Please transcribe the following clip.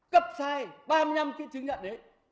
cấp sai ba mươi năm cái chứng nhận đấy